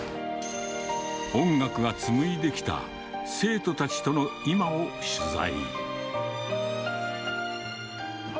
音楽が紡いできた生徒たちとの今を取材。